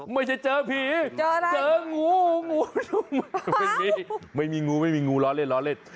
ไม่ใช่เจอผีเจอหงูหงูไม่มีไม่มีงูไม่มีงูล้อเล่นล้อเล่น